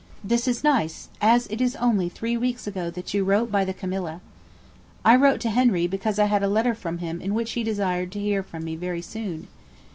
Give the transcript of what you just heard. This is nice, as it is only three weeks ago that you wrote by the "Camilla." I wrote to Henry because I had a letter from him in which he desired to hear from me very soon.